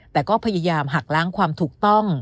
แต่ก็พยายามหักล้างความถูกต้อง